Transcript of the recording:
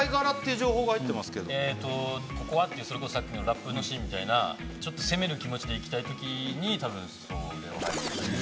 えっとここはっていうそれこそさっきのラップのシーンみたいなちょっと攻める気持ちでいきたいときにたぶんそれをはいて。